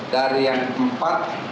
dari yang empat